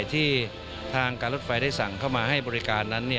ที่ทางการรถไฟได้สั่งเข้ามาให้บริการนั้น